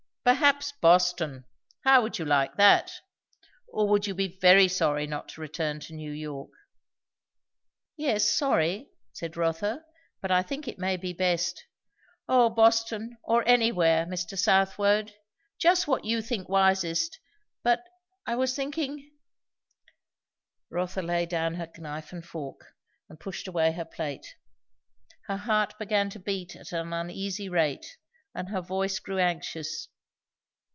"Perhaps Boston. How would you like that? Or would you be very sorry not to return to New York?" "Yes, sorry," said Rotha, "but I think it may be best. O Boston, or anywhere, Mr. Southwode! Just what you think wisest. But I was thinking " Rotha laid down her knife and fork and pushed away her plate. Her heart began to beat at an uneasy rate, and her voice grew anxious.